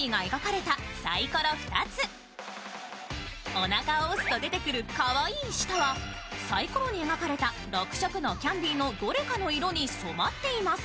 おなかを押すと出てくるかわいい舌はさいころに描かれた６色のどれかの色に染まっています。